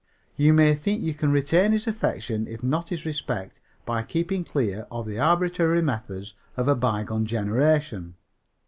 "You may think you can retain his affection, if not his respect, by keeping clear of the arbitrary methods of a bygone generation.